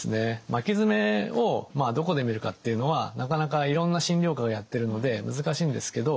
巻き爪をどこで診るかっていうのはなかなかいろんな診療科がやってるので難しいんですけど